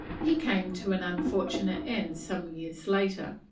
He came to an unfortunate end some years later.